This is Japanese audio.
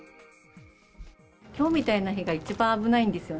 きょうみたいな日が一番危ないんですよ。